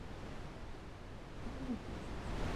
Harrison Schmitt pochází z Nového Mexika.